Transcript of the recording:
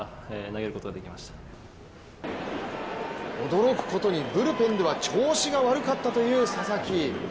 驚くことにブルペンでは調子が悪かったという佐々木。